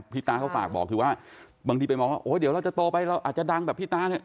ตาเขาฝากบอกคือว่าบางทีไปมองว่าโอ้เดี๋ยวเราจะโตไปเราอาจจะดังแบบพี่ตาเนี่ย